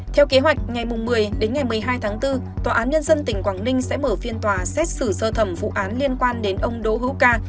theo kế hoạch ngày một mươi đến ngày một mươi hai tháng bốn tòa án nhân dân tỉnh quảng ninh sẽ mở phiên tòa xét xử sơ thẩm vụ án liên quan đến ông đỗ hữu ca